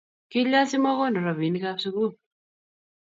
kilyan simakonu robikab sukul?